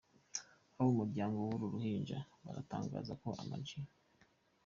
Abo mu muryango wuru ruhinja baratangaza ko Ama G.